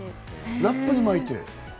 ラップに巻いて。